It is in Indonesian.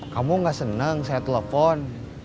kamu gak senang saya telepon